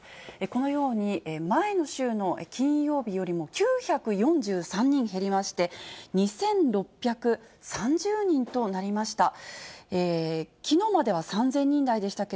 このように、前の週の金曜日よりも９４３人減りまして、２６３０人となりました。